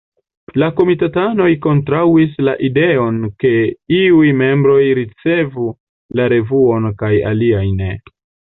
La komitatanoj kontraŭis la ideon ke iuj membroj ricevu la revuon kaj aliaj ne.